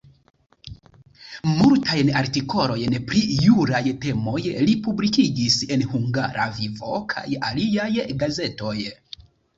Multajn artikolojn pri juraj temoj li publikigis en Hungara Vivo kaj aliaj gazetoj.